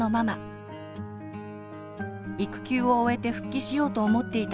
育休を終えて復帰しようと思っていた